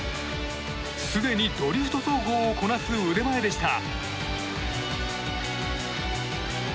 すでにドリフト走法をこなす腕前でした。